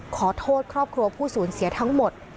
ขอโทษครอบครัวผู้สูญเสียทั้งหมด